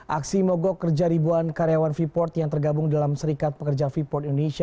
aksi mogok kerja ribuan karyawan vport yang tergabung dalam serikat pekerjaan vport indonesia